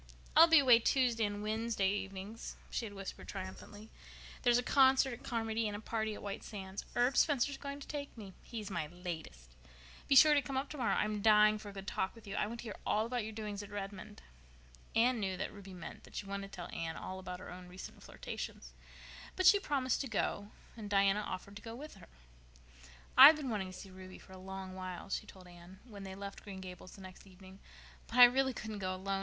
"I'll be away Tuesday and Wednesday evenings," she had whispered triumphantly. "There's a concert at Carmody and a party at White Sands. Herb Spencer's going to take me. He's my latest. Be sure to come up tomorrow. I'm dying for a good talk with you. I want to hear all about your doings at Redmond." Anne knew that Ruby meant that she wanted to tell Anne all about her own recent flirtations, but she promised to go, and Diana offered to go with her. "I've been wanting to go to see Ruby for a long while," she told Anne, when they left Green Gables the next evening, "but I really couldn't go alone.